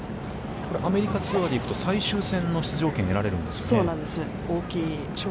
アメリカツアーでいくと、最終戦の出場権が得られるんですよね。